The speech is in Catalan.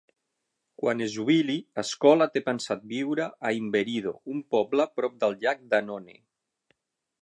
Quan es jubili, Scola té pensat viure a Imberido, un poble prop del Llac d'Annone.